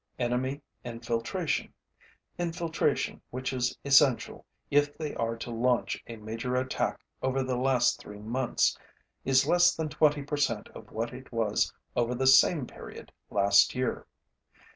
Enemy infiltration, infiltration which is essential if they are to launch a major attack over the last three months, is less than 20 percent of what it was over the same period last year.